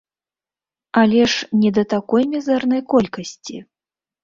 Але ж не да такой мізэрнай колькасці!